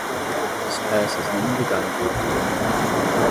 Os persas não navegaram pelo Atlântico